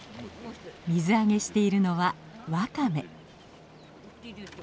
水揚げしているのはワカメ。